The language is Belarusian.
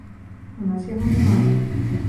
У нас яго няма.